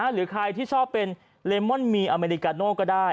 หรือใครที่ชอบเป็นเลมอนมีอเมริกาโน่ก็ได้